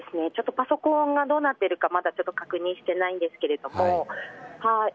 パソコンがどうなっているかまだ確認していないんですけれども。